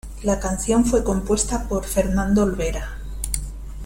La canción fue compuesta por Fernando Olvera.